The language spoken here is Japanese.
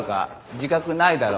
自覚ないだろ。